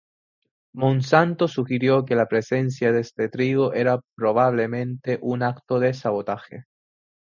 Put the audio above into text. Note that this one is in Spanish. Monsanto sugirió que la presencia de este trigo era probablemente un acto de sabotaje.